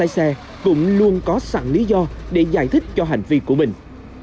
lái xe cũng luôn có sẵn lý do để giải thích cho hành vi của mình